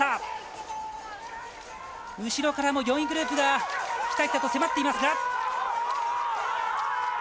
後ろからも４位グループが迫っています。